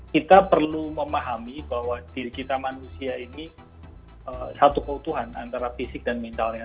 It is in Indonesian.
kita perlu memahami bahwa diri kita manusia ini satu keutuhan antara fisik dan mentalnya